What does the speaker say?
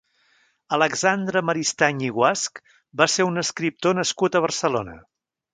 Alexandre Maristany i Guasch va ser un escriptor nascut a Barcelona.